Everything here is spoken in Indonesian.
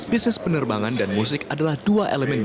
bisnis penerbangan dan musik adalah yang paling penting